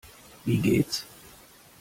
Wie geht's?